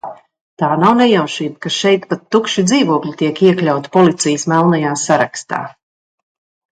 Tā nav nejaušība, ka šeit pat tukši dzīvokļi tiek iekļauti policijas melnajā sarakstā.